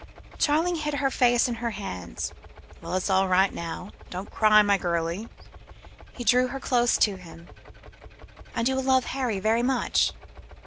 Charling hid her face in her hands. "Well! it's all right now! don't cry, my girlie." He drew her close to him. "And you'll love Harry very much?"